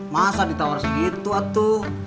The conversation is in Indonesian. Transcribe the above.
masa ditawar segitu atuh